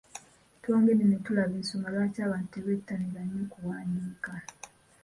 Twongedde ne tulaba ensonga lwaki abantu tebettanira nnyo kuwandiika. n